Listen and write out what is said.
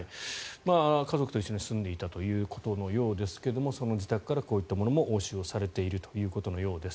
家族と一緒に住んでいたということのようですがその自宅からこういったものも押収されているということのようです。